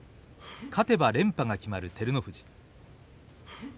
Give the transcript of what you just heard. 勝てば連覇が決まる照ノ富士。